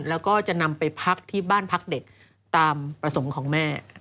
แล้วก็จะนำไปพักที่บ้านพักเด็กตามประสงค์ของแม่